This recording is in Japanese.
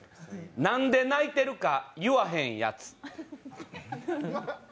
なんで泣いてるか言わへんやつ。